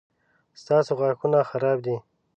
ستاسو غاښونه خراب دي